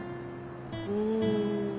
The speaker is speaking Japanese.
うん。